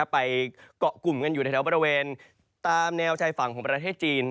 ไปเกาะกลุ่มกันอยู่ในแถวบริเวณตามแนวชายฝั่งของประเทศจีน